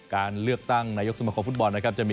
การเลือกตั้งนายกสมคมฟุตบอลนะครับ